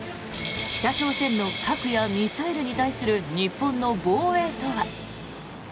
北朝鮮の核やミサイルに対する日本の防衛とは。